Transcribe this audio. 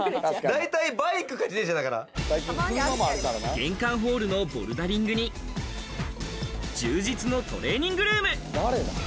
玄関ホールのボルダリングに、充実のトレーニングルーム。